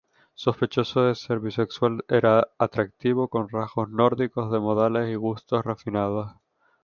Sospechoso de ser bisexual, era atractivo, con rasgos nórdicos, de modales y gustos refinados.